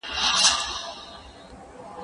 هغه څوک چې درس لولي بریالی کېږي،